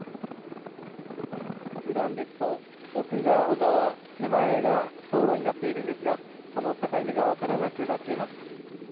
ふだんですと、奥が小川、手前が道路になっているんですが、その境目が分からなくなっています。